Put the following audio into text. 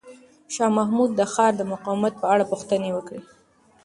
شاه محمود د ښار د مقاومت په اړه پوښتنې وکړې.